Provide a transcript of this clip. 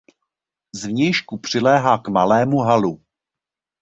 Z vnějšku přiléhá k malému halu.